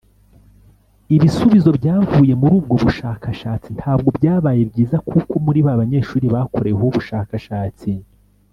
Ibisubizo byavuye muri ubwo bushakashatsi ntabwo byabaye byiza kuko muri ba banyeshuri bakoreweho ubushakashatsi